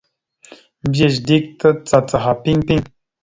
Mbiyez dik tacacaha piŋ piŋ.